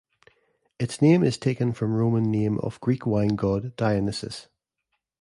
Its name is taken from Roman name of the Greek wine god Dionysus.